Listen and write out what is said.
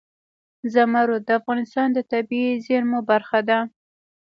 زمرد د افغانستان د طبیعي زیرمو برخه ده.